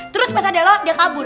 terus pas ada lo dia kabur